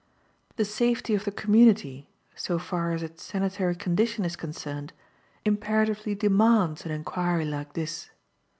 The safety of the community, so far as its sanitary condition is concerned, imperatively demands an inquiry like this.